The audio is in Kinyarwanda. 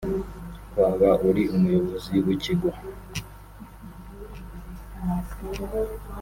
waba uri umuyobozi w’ikigo